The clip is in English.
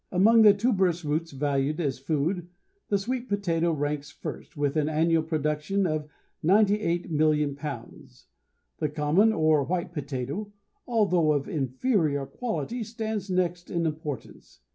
Among the tuberous roots valued as food the sweet potato ranks first, with an annual production of 98,000,000 pounds. The common or white potato, although of inferior quality, stands next in importance.